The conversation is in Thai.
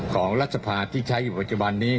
รัฐสภาที่ใช้อยู่ปัจจุบันนี้